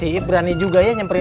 enggak berani juga ya nyamperin ip